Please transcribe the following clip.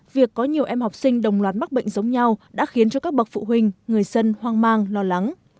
việc có nhiều em học sinh đồng loạt mắc bệnh giống nhau đã khiến cho các bậc phụ huynh người dân hoang mang lo lắng